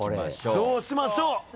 どうしましょう？